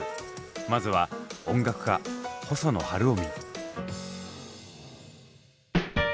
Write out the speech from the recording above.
まずは音楽家細野晴臣。